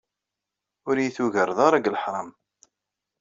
Ur yi-tugareḍ ara deg leḥram.